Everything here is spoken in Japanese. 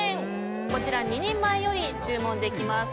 こちら２人前より注文できます。